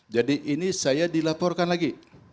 jadi ini saya dilaporkan lagi